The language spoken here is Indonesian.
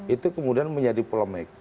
itu kemudian menjadi polemik